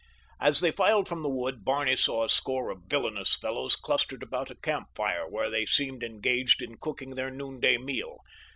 As they filed from the wood Barney saw a score of villainous fellows clustered about a camp fire where they seemed engaged in cooking their noonday meal.